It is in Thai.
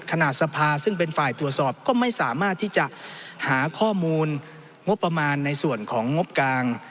สภาซึ่งเป็นฝ่ายตรวจสอบก็ไม่สามารถที่จะหาข้อมูลงบประมาณในส่วนของงบกลาง